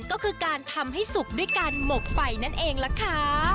ก็คือการทำให้สุกด้วยการหมกไฟนั่นเองล่ะค่ะ